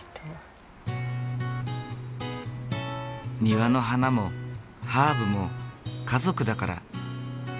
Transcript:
庭の花もハーブも家族だから過保護は駄目。